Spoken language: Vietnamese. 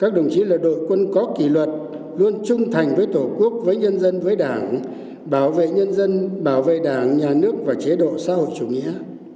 các đồng chí là đội quân có kỷ luật luôn trung thành với tổ quốc với nhân dân với đảng bảo vệ nhân dân bảo vệ đảng nhà nước và chế độ xã hội chủ nghĩa